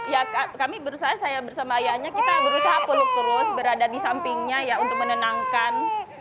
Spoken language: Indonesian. ya kami berusaha saya bersama ayahnya kita berusaha peluk terus berada di sampingnya ya untuk menenangkan